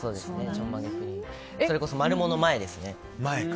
それこそ「マルモ」の前ですね。